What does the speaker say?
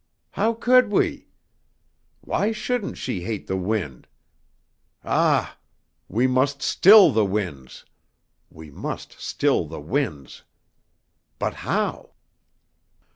How could we? Why shouldn't she hate the wind? Ah! We must still the winds! We must still the winds! But how?"